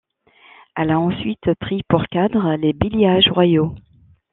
Elle a ensuite pris pour cadre les bailliages royaux.